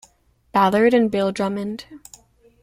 Ballard and Bill Drummond.